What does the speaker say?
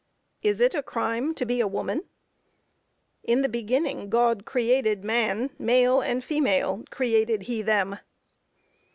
Is it a crime to be a woman? "In the beginning God created man, male and female, created he them."